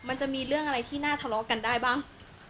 มันจะมีเรื่องอะไรที่น่าทะเลาะกันได้บ้าง